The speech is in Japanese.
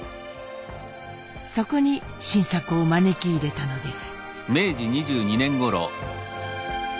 そこに新作を招き入れたのです。